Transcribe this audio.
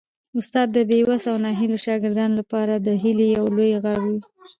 استاد د بې وسه او ناهیلو شاګردانو لپاره د هیلې یو لوی غر وي.